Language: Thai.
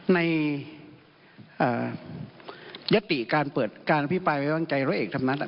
ในอ่ายติการเปิดการอภิปรายไม่ไว้วางใจรับเอกทำนั้นอ่ะ